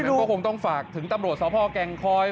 คุณต้องฝากถึงตำรวจสาวพ่อแกงคอย